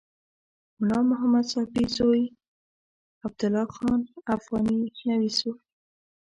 ملا محمد ساپي زوی عبدالله خان افغاني نویس و.